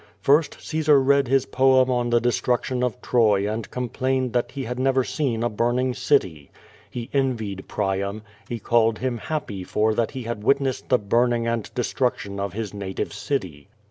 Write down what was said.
First, Caesar read his poem on the destruction of Troy and com plained that he had never seen a burning city. He envied Priam. He called him happy for that he had M'itnessed the burning and destruction of his native city.